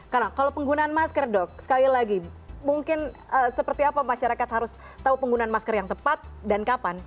karena kalau penggunaan masker dok sekali lagi mungkin seperti apa masyarakat harus tahu penggunaan masker yang tepat dan kapan